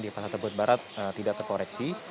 di pantai tebet barat tidak terkoreksi